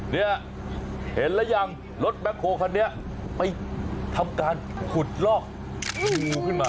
เนี่ยเห็นแล้วยังรถแบ็คโฮคันนี้ไปทำการขุดลอกงูขึ้นมา